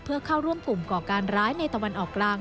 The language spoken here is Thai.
เพื่อเข้าร่วมกลุ่มก่อการร้ายในตะวันออกกลาง